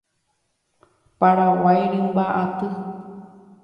Paraguái rymba'aty.